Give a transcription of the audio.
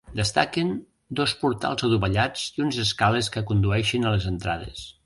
Destaquen dos portals adovellats i unes escales que condueixen a les entrades.